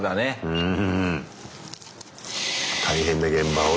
うん。